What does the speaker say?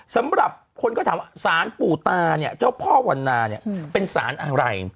สำหรับคนก็ถามว่าสารปู่ตาเนี่ยเจ้าพ่อวันนาเนี่ยเป็นสารอะไร